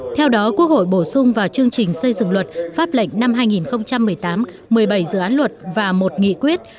theo đó quốc hội bổ sung vào chương trình xây dựng luật pháp lệnh năm hai nghìn một mươi tám một mươi bảy dự án luật và một nghị quyết